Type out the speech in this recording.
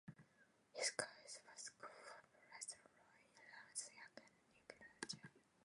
He scored his first goal for Brisbane Roar in round three against Newcastle Jets.